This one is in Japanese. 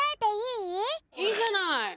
いいじゃない。